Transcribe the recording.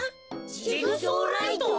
「ジグソーライト」？